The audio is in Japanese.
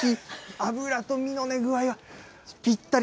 脂と身の具合がぴったり。